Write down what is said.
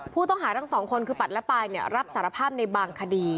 ผู้ต้องหาทั้งสองคนคือปัดและปายรับสารภาพในบางคดี